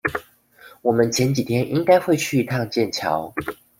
我們前幾天應該會去一趟劍橋